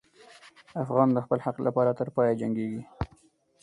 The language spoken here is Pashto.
افغان د خپل حق لپاره تر پایه جنګېږي.